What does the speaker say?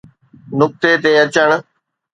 نقطي تي اچڻ.